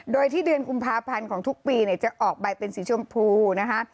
โดยที่เดือนกุมภาพันธ์ของทุกปีจะออกใบเป็นสีชมพูนะคะ